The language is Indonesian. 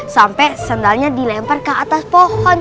sampai sandalnya dilempar ke atas pohon